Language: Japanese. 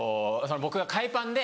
僕が海パンで。